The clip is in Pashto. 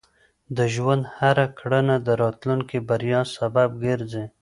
د ژوند هره کړنه د راتلونکي بریا سبب ګرځي.